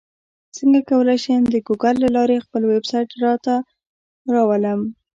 څنګه کولی شم د ګوګل له لارې خپل ویبسایټ راته راولم